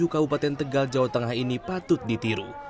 kabupaten tegal jawa tengah ini patut ditiru